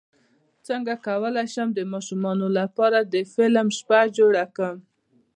څنګه کولی شم د ماشومانو لپاره د فلم شپه جوړه کړم